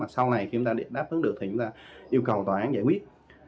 sau này chúng ta đáp ứng được thì chúng ta yêu cầu tòa án giải quyết